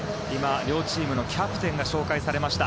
両チームのキャプテンが紹介されました。